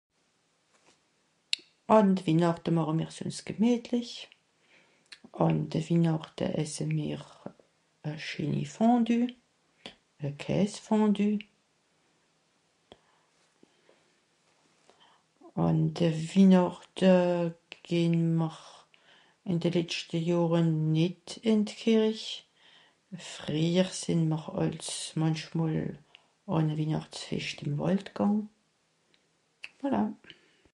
A Noël on fait cool; on mange une fondue savoyarde. A Noël ces dernières années nous ne sommes pas allés à la Messe autrefois on allait parfois en forêt